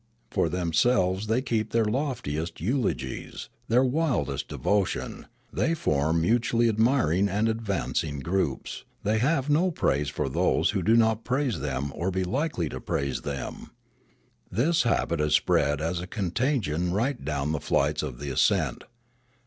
For themselves they keep their loftiest eulogies, their wildest devotion ; they form mutually admiring and advancing groups ; they have no praise for those who will not praise them or be likely to praise them. This habit has spread as a contagion right down the flights of the ascent.